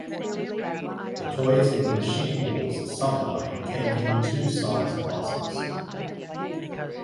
The toys in the Machine Wars subline came in two size classes.